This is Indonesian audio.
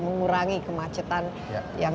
mengurangi kemacetan yang